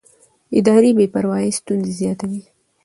اداري بې پروایي ستونزې زیاتوي